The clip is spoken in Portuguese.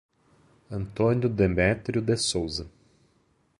Antônio Demetrio de Souza